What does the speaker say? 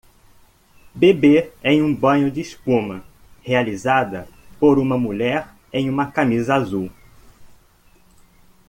Bebê em um banho de espuma, realizada por uma mulher em uma camisa azul